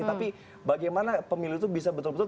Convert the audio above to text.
tapi bagaimana pemilu itu bisa betul betul